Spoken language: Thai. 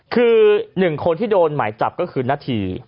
คือหนึ่งคนที่โดนไหมจับก็คือหน้าธี